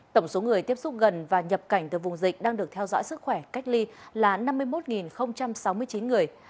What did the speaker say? tổng số người tiếp xúc gần và nhập cảnh từ vùng dịch đang được theo dõi sức khỏe cách ly là năm mươi một sáu mươi chín người